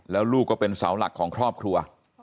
แล้วลูกก็เป็นเสาหลักของครอบครัว